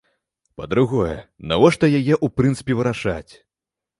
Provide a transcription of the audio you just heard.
Па-другое, навошта яе ў прынцыпе вырашаць?